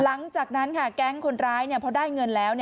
หลังจากนั้นค่ะแก๊งคนร้ายพอได้เงินแล้ว